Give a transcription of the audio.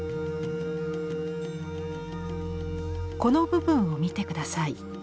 この部分を見て下さい。